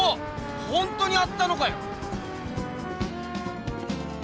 ほんとにあったのかよ！